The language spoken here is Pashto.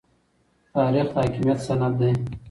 تاریخ د حاکمیت سند دی.